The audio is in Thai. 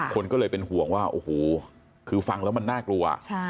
คนก็เลยเป็นห่วงว่าโอ้โหคือฟังแล้วมันน่ากลัว